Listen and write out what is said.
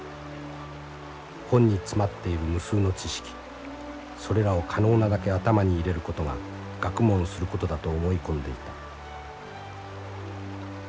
本に詰まっている無数の知識それらを可能なだけ頭に入れることが学問することだと思い込んでいた」。